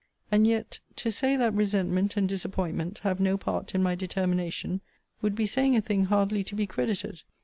And yet, to say that resentment and disappointment have no part in my determination, would be saying a thing hardly to be credited.